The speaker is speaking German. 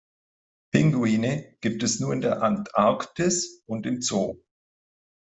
Pinguine gibt es nur in der Antarktis und im Zoo.